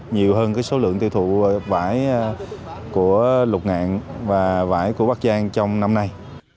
nhiều hơn số lượng tiêu thụ vải của lục ngạn và vải của bắc giang trong năm nay